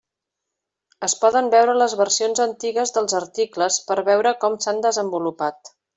Es poden veure les versions antigues dels articles per veure com s'han desenvolupat.